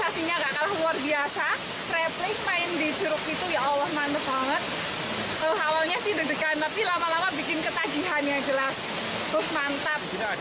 awalnya sih deg degan tapi lama lama bikin ketagihan yang jelas mantap